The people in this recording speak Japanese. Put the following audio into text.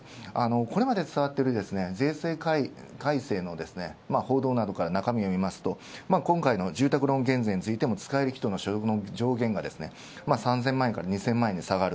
これまで伝わっている税制改正の報道などの中身を見ると今回の住宅ローン減税の上限が３０００万円から２０００万円に下がる。